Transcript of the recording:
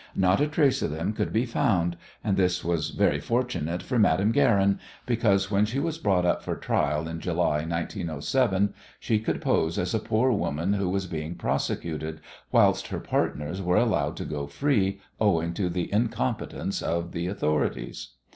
Not a trace of them could be found, and this was very fortunate for Madame Guerin, because, when she was brought up for trial in July, 1907, she could pose as a poor woman who was being prosecuted whilst her partners were allowed to go free owing to the incompetence of the authorities.